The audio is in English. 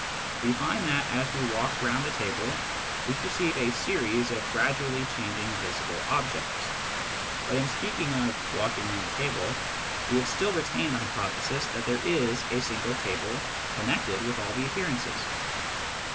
We find that as we walk round the table, we perceive a series of gradually changing visible objects. But in speaking of " walking round the table," we have still retained the hypothesis that there is a single table connected with all the appearances.